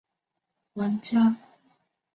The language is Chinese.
玩家可以选择手动或者自动换挡。